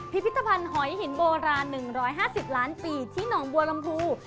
พิพิธภัณฑ์หอยหินโบราณ๑๕๐ล้านปีที่หนองบัวลำพู